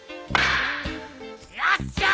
よっしゃ！